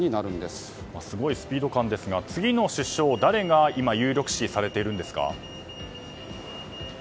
すごいスピード感ですが次の首相、誰が今有力視されているんですか。